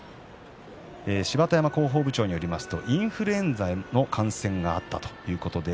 芝田山広報部長によりますとインフルエンザの感染があったということです。